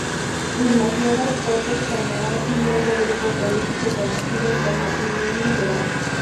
En las nuevas Cortes formará un nuevo grupo político conocido como Unión Liberal.